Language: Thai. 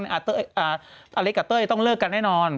อาเลกาเตอร์ที่ต้องเลิกกันแน่นอน